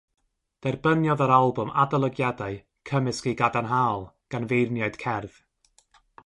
Derbyniodd yr albwm adolygiadau cymysg-i-gadarnhaol gan feirniaid cerdd.